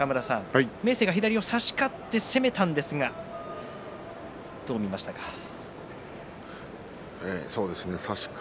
明生は左を差し勝って攻めたんですがどう見ましたか。